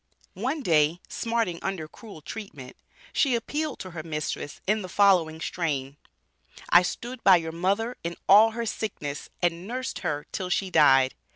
One day smarting under cruel treatment, she appealed to her mistress in the following strain: "I stood by your mother in all her sickness and nursed her till she died!"